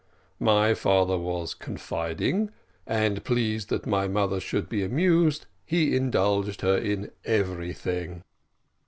My father was confiding, and, pleased that my mother should be amused, he indulged her in everything.